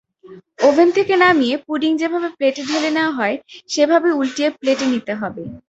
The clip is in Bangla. ওভেন থেকে নামিয়ে পুডিং যেভাবে প্লেটে ঢেলে নেওয়া হয় সেভাবেই উল্টিয়ে প্লেটে নিতে হবে।